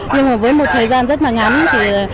nhưng mà với một thời gian rất là ngắn thì